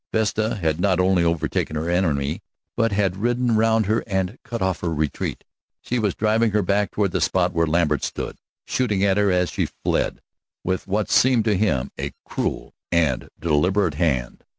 Vesta had not only overtaken her enemy, but had ridden round her and cut off her retreat. She was driving her back toward the spot where Lambert stood, shooting at her as she fled, with what seemed to him a cruel and deliberate hand.